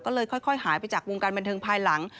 ก็เลยค่อยหายไปจากวงการบันเทิงภายหลัง